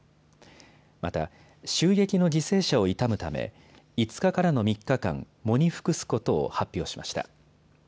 また、襲撃の犠牲者を悼むため５日からの３日間、喪に服すことを発表しました。